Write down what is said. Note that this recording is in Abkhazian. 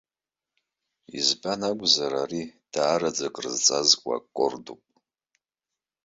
Избан акәзар, ари дараӡа крызҵазкуа аккордуп.